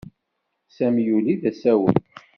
Sami yuli d asawen.